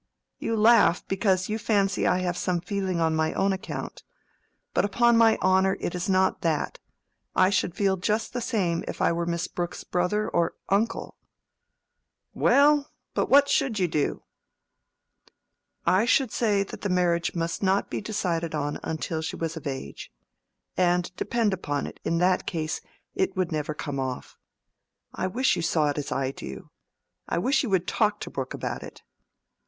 You laugh, because you fancy I have some feeling on my own account. But upon my honor, it is not that. I should feel just the same if I were Miss Brooke's brother or uncle." "Well, but what should you do?" "I should say that the marriage must not be decided on until she was of age. And depend upon it, in that case, it would never come off. I wish you saw it as I do—I wish you would talk to Brooke about it."